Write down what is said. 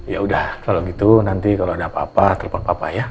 ya udah kalau gitu nanti kalau ada apa apa telepon papa ya